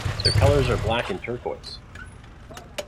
Their colors are Black and Turquoise.